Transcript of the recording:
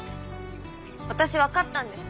私分かったんです